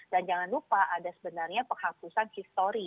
dan jangan lupa ada sebenarnya penghapusan history